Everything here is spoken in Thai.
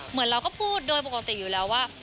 เหมือนเราก็พูดโดยปกติอยู่แล้วว่า